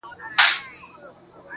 زما د زړه گلونه ساه واخلي.